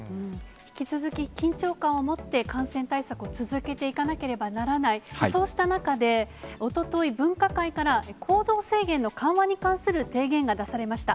引き続き緊張感を持って、感染対策を続けていかなければならない、そうした中で、おととい、分科会から行動制限の緩和に関する提言が出されました。